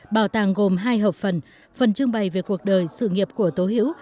bảo tàng gồm hai hợp phần phần trưng bày về cuộc đời sự nghiệp của tố hữu